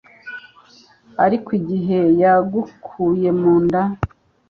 Ariko igihe yagukuye mu nda